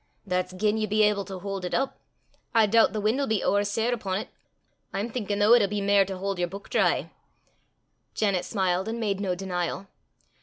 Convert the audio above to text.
"That's gien ye be able to haud it up. I doobt the win' 'll be ower sair upo' 't. I'm thinkin', though, it'll be mair to haud yer beuk dry!" Janet smiled and made no denial.